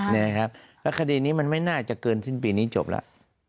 แล้วคดีนี้มันไม่น่าจะเกินสิ้นปีนี้จบแล้ว